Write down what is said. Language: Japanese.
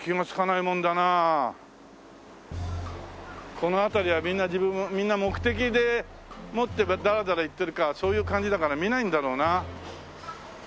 この辺りはみんな目的持ってダラダラ行ってるからそういう感じだから見ないんだろうな。